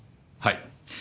はい。